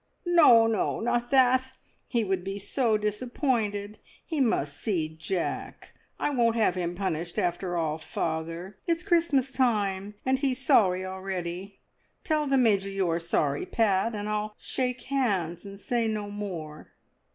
"No, no! Not that! He would be so disappointed. He must see Jack. I won't have him punished after all, father. It's Christmas time, and he's sorry already. Tell the Major you are sorry, Pat, and I'll shake hands and say no more."